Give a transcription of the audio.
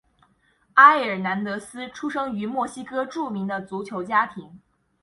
埃尔南德斯出生于墨西哥著名的足球家庭。